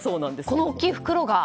この大きい袋が？